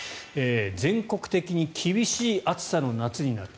全国的に厳しい暑さの夏になる。